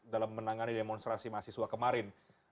dalam menangani demonstrasi mahasiswa kemarin